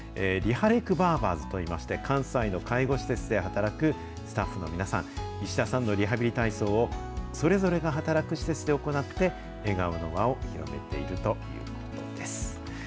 リハレクバーバーズといいまして、関西の介護施設で働くスタッフの皆さん、石田さんのリハビリ体操を、それぞれが働く施設で行って笑顔の輪を広げているということです。